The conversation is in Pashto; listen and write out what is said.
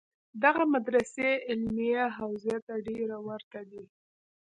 دغه مدرسې علمیه حوزو ته ډېرې ورته دي.